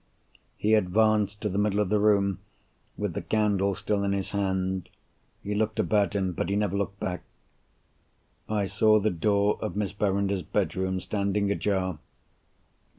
He advanced to the middle of the room, with the candle still in his hand: he looked about him—but he never looked back. I saw the door of Miss Verinder's bedroom, standing ajar.